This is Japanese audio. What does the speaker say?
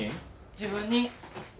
自分に。